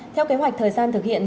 theo kế hoạch thời gian thực hiện